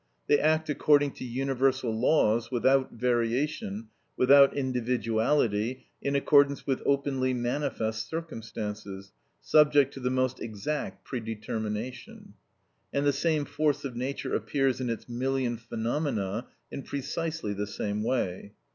They act according to universal laws, without variation, without individuality in accordance with openly manifest circumstances, subject to the most exact predetermination; and the same force of nature appears in its million phenomena in precisely the same way.